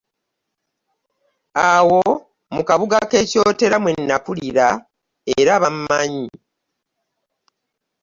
Awo mu kabuga k'e Kyotera mwe nakulira era bammanyi.